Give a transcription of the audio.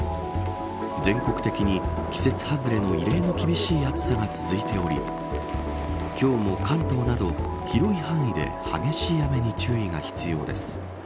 全国的に季節外れの異例の厳しい暑さが続いており今日も関東など広い範囲で激しい雨に注意が必要です。